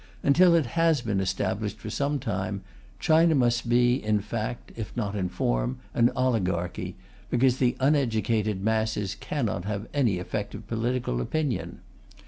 Until it has been established for some time, China must be, in fact, if not in form, an oligarchy, because the uneducated masses cannot have any effective political opinion.